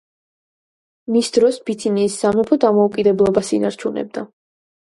მის დროს ბითინიის სამეფო დამოუკიდებლობას ინარჩუნებდა.